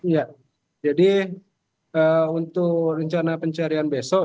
ya jadi untuk rencana pencarian besok